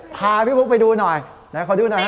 พาพี่ปุ๊กไปดูหน่อยนาฮะขอดูหน่อยค่ะ